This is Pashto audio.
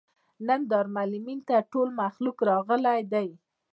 نن دارالمعلمین ته ټول مخلوق راغلى دی.